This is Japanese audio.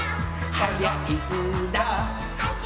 「はやいんだ」